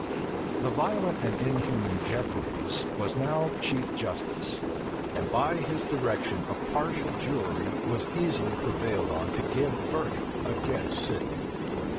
The violent and inhuman Jefferies was now chief justice; and by his direction a partial jury was easily prevailed on to give verdict against Sidney.